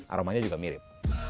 aromanya juga mirip